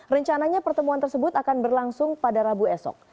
rencananya pertemuan tersebut akan berlangsung pada rabu esok